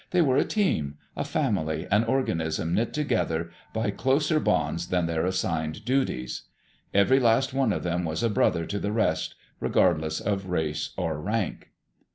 They were a team, a family, an organism knit together by closer bonds than their assigned duties. Every last one of them was a brother to the rest, regardless of race or rank.